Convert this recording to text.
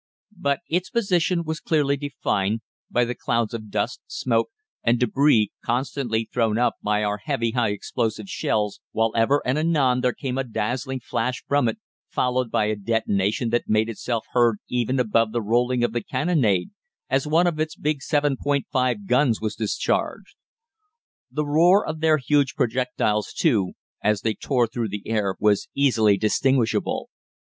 "But its position was clearly defined by the clouds of dust, smoke, and débris constantly thrown up by our heavy high explosive shells, while ever and anon there came a dazzling flash from it, followed by a detonation that made itself heard even above the rolling of the cannonade, as one of its big 7·5 guns was discharged. The roar of their huge projectiles, too, as they tore through the air, was easily distinguishable.